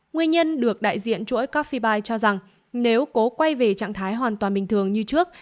nguyên nhân được đại diện chuỗi caffibyte cho rằng nếu cố quay về trạng thái hoàn toàn bình thường như trước